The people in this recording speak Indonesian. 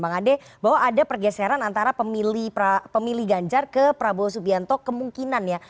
bang ade bahwa ada pergeseran antara pemilih ganjar ke prabowo subianto kemungkinan ya